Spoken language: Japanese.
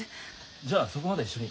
じゃあそこまで一緒に。